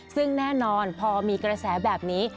ซึ่งแน่นอนพอมีกระแสแบบนี้